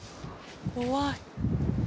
怖い。